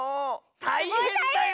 たいへんだよ。